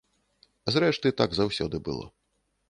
Зрэшты, так заўсёды было.